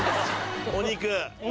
お肉。